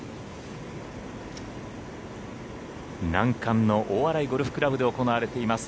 難関の大洗ゴルフ倶楽部で行われています